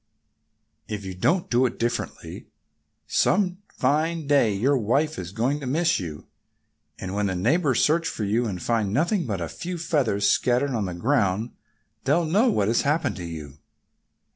If you don't do differently, some fine day your wife is going to miss you. And when the neighbors search for you, and find nothing but a few feathers scattered on the ground, they'll know what has happened to you."